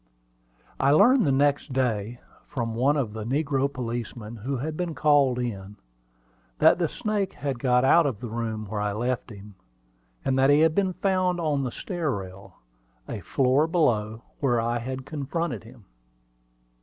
I learned the next day, from one of the negro policemen who had been called in, that the snake had got out of the room where I left him, and that he had been found on the stair rail, a floor below where I had confronted him.